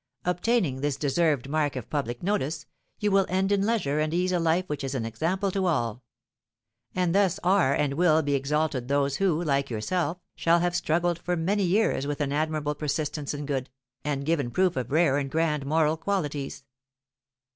Obtaining this deserved mark of public notice, you will end in leisure and ease a life which is an example to all; and thus are and will be exalted those who, like yourself, shall have struggled for many years with an admirable persistence in good, and given proof of rare and grand moral qualities.